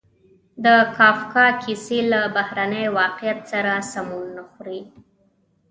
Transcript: د کافکا کیسې له بهرني واقعیت سره سمون نه خوري.